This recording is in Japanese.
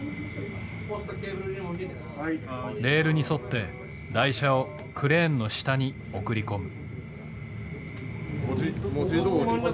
レールに沿って台車をクレーンの下に送り込む。